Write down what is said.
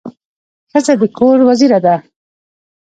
ښځه د کور وزیره ده.